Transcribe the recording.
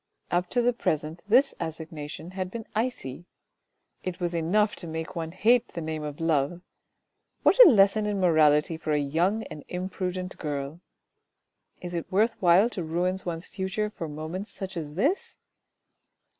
Up to the present this assignation had been icy. It was enough to make one hate the name of love. What a lesson in morality for a young and imprudent girl ! Is it worth while to ruin one's future for moments such as this